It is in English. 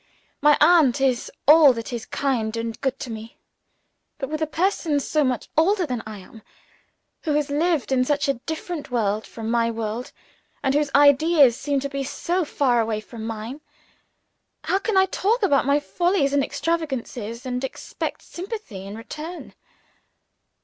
My aunt is all that is kind and good to me; but with a person so much older than I am who has lived in such a different world from my world, and whose ideas seem to be so far away from mine how can I talk about my follies and extravagances, and expect sympathy in return!